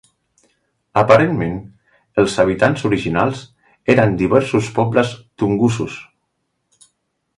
Aparentment, els habitants originals eren diversos pobles tungusos.